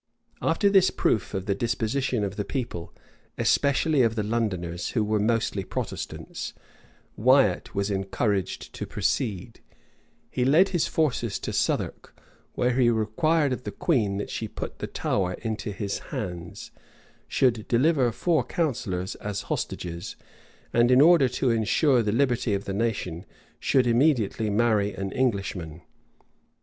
[*] After this proof of the disposition of the people, especially of the Londoners, who were mostly Protestants, Wiat was encouraged to proceed; he led his forces to Southwark, where he required of the queen that she should put the Tower into his hands, should deliver four counsellors as hostages, and in order to insure the liberty of the nation, should immediately marry an Englishman.